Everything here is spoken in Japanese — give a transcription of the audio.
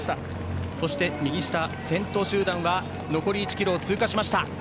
先頭集団は残り１ｋｍを通過しました。